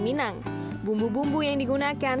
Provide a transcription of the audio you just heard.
minang bumbu bumbu yang digunakan